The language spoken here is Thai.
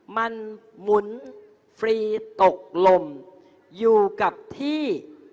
มันหมุนฟรีตกลมอยู่กับที่